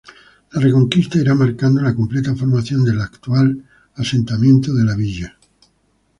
La Reconquista irá marcando la completa formación del actual asentamiento de la Villa.